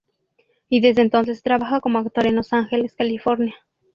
Y desde entonces trabaja como actor en Los Ángeles, California.